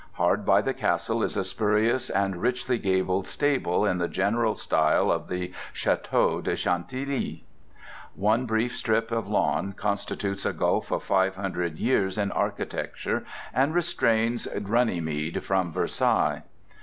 Hard by the castle is a spurious and richly gabled stable in the general style of the château de Chantilly. One brief strip of lawn constitutes a gulf of five hundred years in architecture, and restrains Runnymede from Versailles.